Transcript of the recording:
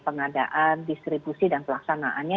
pengadaan distribusi dan pelaksanaannya